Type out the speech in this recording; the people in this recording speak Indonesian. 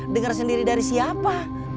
dengar sendiri dari siapa